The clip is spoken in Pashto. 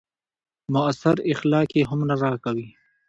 معاصر اخلاق يې هم نه راکوي.